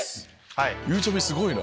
ゆうちゃみすごいな。